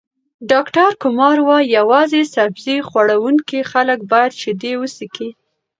ډاکټر کمار وايي، یوازې سبزۍ خوړونکي خلک باید شیدې وڅښي.